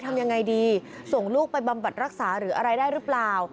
ทำยังไงดีส่งลูกไปบำบัดรักษาหรืออะไรได้หรือเปล่า